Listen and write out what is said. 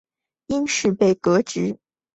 因事被革职。